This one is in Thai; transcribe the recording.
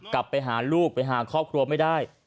กลับไปหาลูกไปหาครอบครัวไม่ได้